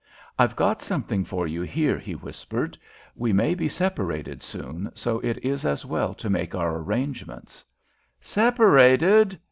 "I've got something for you here," he whispered. "We may be separated soon, so it is as well to make our arrangements." "Separated!"